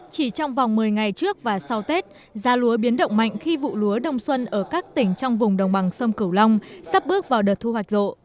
chỉ trong vòng một mươi ngày trước và sau tết giá lúa biến động mạnh khi vụ lúa đông xuân ở các tỉnh trong vùng đồng bằng sông cửu long sắp bước vào đợt thu hoạch rộ